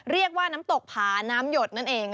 เรียกว่าน้ำตกผาน้ำหยดนั่นเอง